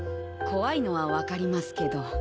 怖いのは分かりますけど。